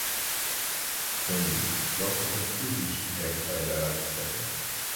Zo niet, welke conclusies denkt zij daaruit te trekken?